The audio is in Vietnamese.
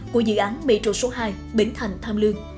của dự án metro số hai bến thành tham lương